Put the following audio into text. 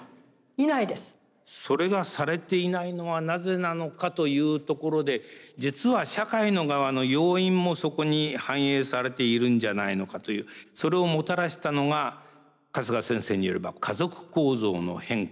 それがされていないのはなぜなのかというところで実は社会の側の要因もそこに反映されているんじゃないのかというそれをもたらしたのが春日先生によれば家族構造の変化。